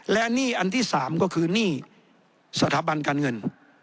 และหนี้อันที่๓ก็คือหนี้สถาบันการเงิน